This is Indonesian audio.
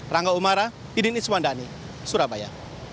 rangga umara idin iswandani surabaya